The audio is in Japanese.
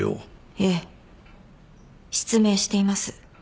ええ失明しています。